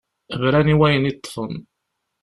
Bran i wayen i ṭṭfen.